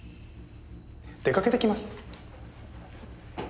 出かけてきます。